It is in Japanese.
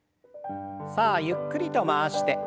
さあゆっくりと回して。